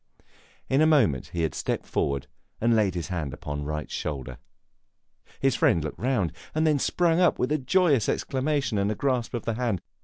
In a moment he had stepped forward and laid his hand upon Wright's shoulder. His friend looked round, and then sprang up with a joyous exclamation and grasp of the hand.